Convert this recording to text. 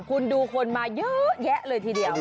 คุณดูคนมาเยอะแยะเลยทีเดียว